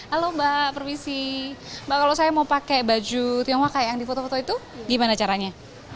halo mbak permisi mbak kalau saya mau pakai baju tionghoa kayak yang di foto foto itu gimana caranya